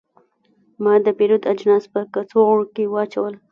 ما د پیرود اجناس په کڅوړه کې واچول.